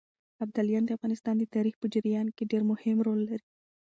ابداليان د افغانستان د تاريخ په جريان کې ډېر مهم رول لري.